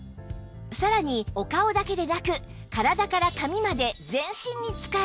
さらにお顔だけでなく体から髪まで全身に使えるんです